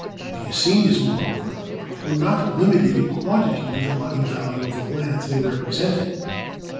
The assignats, moreover, were not limited in quantity to the money value of the lands they represented.